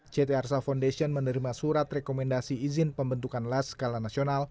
ct arsa foundation menerima surat rekomendasi izin pembentukan las skala nasional